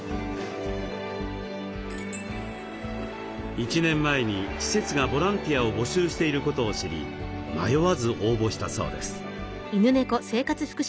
１年前に施設がボランティアを募集していることを知り迷わず応募したそうです。